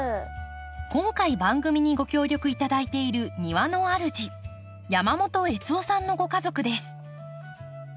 今回番組にご協力頂いている庭の主山本悦雄さんのご家族です。